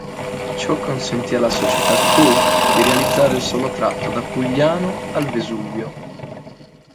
Ciò consentì alla società Cook di realizzare il solo tratto da Pugliano al Vesuvio.